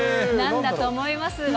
なんだと思います？